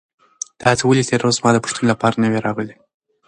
تاسو ولې تېره ورځ زما د پوښتنې لپاره نه وئ راغلي؟